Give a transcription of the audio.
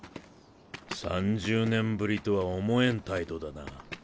３０年ぶりとは思えん態度だな。